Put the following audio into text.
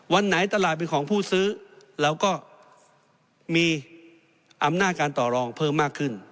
วันไหนตลาดเป็นของผู้ซื้อเราก็มีอำนาจการต่อรองเพิ่มมากขึ้น